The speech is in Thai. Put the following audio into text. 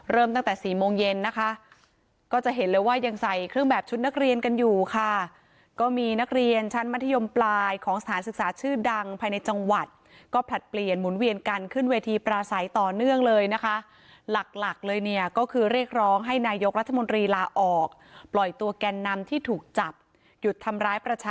ตั้งแต่สี่โมงเย็นนะคะก็จะเห็นเลยว่ายังใส่เครื่องแบบชุดนักเรียนกันอยู่ค่ะก็มีนักเรียนชั้นมัธยมปลายของสถานศึกษาชื่อดังภายในจังหวัดก็ผลัดเปลี่ยนหมุนเวียนกันขึ้นเวทีปราศัยต่อเนื่องเลยนะคะหลักหลักเลยเนี่ยก็คือเรียกร้องให้นายกรัฐมนตรีลาออกปล่อยตัวแกนนำที่ถูกจับหยุดทำร้ายประชา